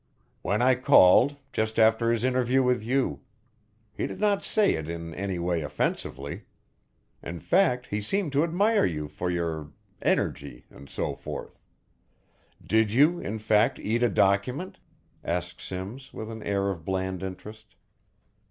"When I called, just after his interview with you he did not say it in anyway offensively. In fact he seemed to admire you for your energy and so forth." "Did you, in fact, eat a document?" asked Simms, with an air of bland interest.